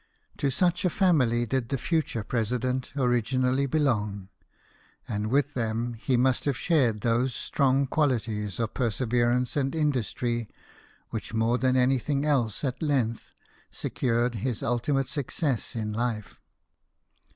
To such a family did the futare President originally belong ; and with the m he must have shared those strong qualities of perseverance and industry which more than anything else at length secured his ultimate success in life.